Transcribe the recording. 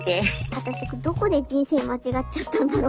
私どこで人生間違っちゃったんだろう。